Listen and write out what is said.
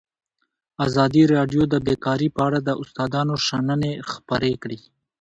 ازادي راډیو د بیکاري په اړه د استادانو شننې خپرې کړي.